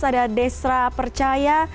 ada desra percaya